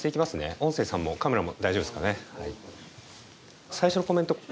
音声さんもカメラも大丈夫ですかね。